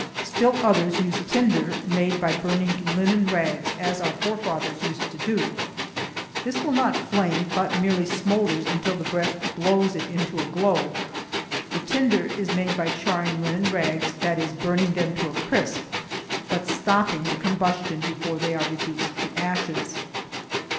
Still others use tinder made by burning linen rags, as our forefathers used to do. This will not flame, but merely smoulders until the breath blows it into a glow. The tinder is made by charring linen rags, that is, burning them to a crisp, but stopping the combustion before they are reduced to ashes.